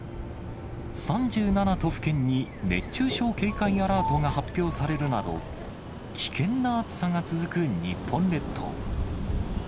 都府県に熱中症警戒アラートが発表されるなど、危険な暑さが続く日本列島。